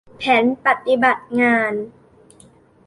แผนปฏิบัติงาน